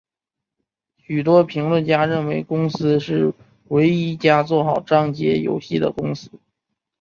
许多评论家认为公司是唯一一家做好章节游戏的公司。